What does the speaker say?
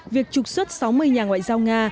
việc trục xuất sáu mươi nhà ngoại giao nga